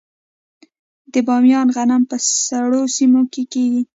د بامیان غنم په سړو سیمو کې کیږي.